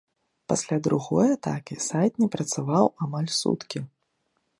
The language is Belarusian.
Пасля другой атакі сайт не працаваў амаль суткі.